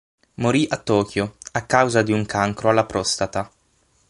Morì a Tokyo a causa di un cancro alla prostata.